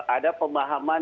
ada pemahaman yang